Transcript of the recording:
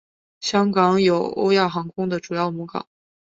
香港有欧亚航空的主要母港。